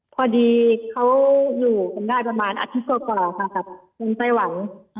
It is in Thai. พอดีเขาอยู่กันได้ประมาณอาทิตย์กว่าค่ะกับลุงไต้หวัน